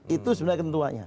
itu sebenarnya ketentuanya